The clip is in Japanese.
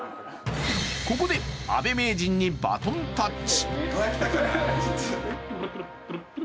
ここで阿部名人にバトンタッチ。